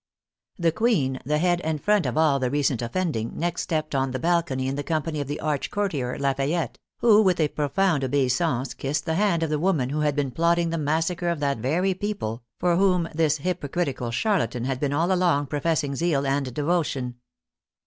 The Queen, the head and front of all the recent offend ing, next stepped on the balcony in the company of the arch courtier, Lafayette, who with a profound obeisance kissed the hand of the woman who had been plotting the massacre of that very people for whom this h3^pocritical charlatan had been all along professing zeal and devotion.